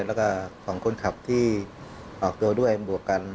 แล้วก็ของคนขับที่ออกตัวด้วยบวกกัน